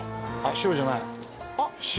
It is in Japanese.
白じゃない。